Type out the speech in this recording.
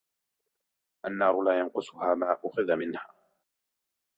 النَّارُ لَا يَنْقُصُهَا مَا أُخِذَ مِنْهَا